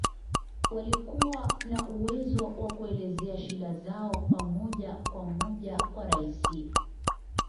Walikuwa na uwezo wa kelezea shida zao moja kwa moja kwa Rais